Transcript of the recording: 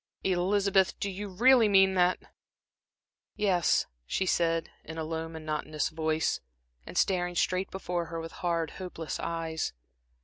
"Elizabeth, do you really mean that?" "Yes," she said, in a low, monotonous voice, and staring straight before her with hard, hopeless eyes.